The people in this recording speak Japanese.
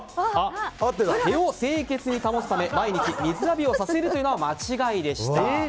毛を清潔に保つため毎日水浴びをさせるというのが間違いでした。